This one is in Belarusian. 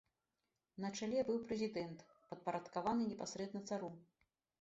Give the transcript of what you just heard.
На чале быў прэзідэнт, падпарадкаваны непасрэдна цару.